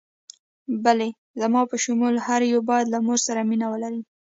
بلې، زما په شمول هر یو باید له مور سره مینه ولري.